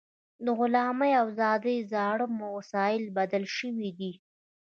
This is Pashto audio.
د غلامۍ او ازادۍ زاړه وسایل بدل شوي دي.